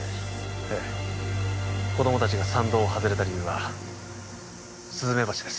ええ子供達が山道を外れた理由はスズメバチです